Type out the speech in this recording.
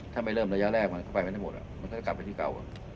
ถ้าไม่เริ่มระยะแรกมันก็ไปไม่ได้หมดมันก็จะกลับไปที่เก่า